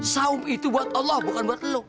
saum itu buat allah bukan buat lo